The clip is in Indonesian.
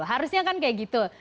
harusnya kan kayak gitu